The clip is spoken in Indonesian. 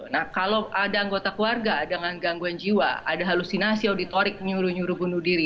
nah kalau ada anggota keluarga dengan gangguan jiwa ada halusinasi auditorik nyuruh nyuruh bunuh diri